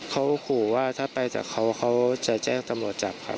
เขาขู่ว่าถ้าไปจากเขาเขาจะแจ้งตำรวจจับครับ